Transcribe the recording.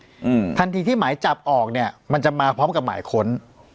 อืมทันทีที่หมายจับออกเนี้ยมันจะมาพร้อมกับหมายค้น